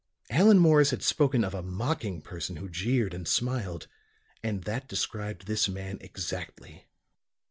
Allan Morris had spoken of a mocking person who jeered and smiled. And that described this man exactly.